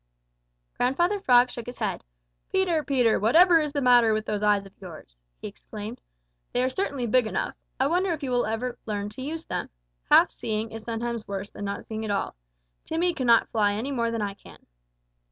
Grandfather Frog shook his head. "Peter, Peter, whatever is the matter with those eyes of yours?" he exclaimed. "They certainly are big enough. I wonder if you ever will learn to use them. Half seeing is sometimes worse than not seeing at all. Timmy cannot fly any more than I can."